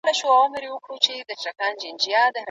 امارات د سیمې د ثبات په اړه څه ډول تګلار لري؟